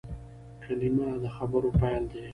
کلیمه د خبرو پیل دئ.